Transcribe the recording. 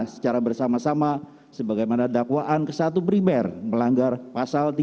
secara bersama sama sebagaimana dakwaan ke satu primer melanggar pasal tiga puluh